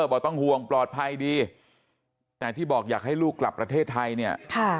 บอกต้องห่วงปลอดภัยดีแต่ที่บอกอยากให้ลูกกลับประเทศไทยเนี่ย